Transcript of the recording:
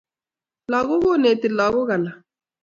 Lakok koneti lakok alak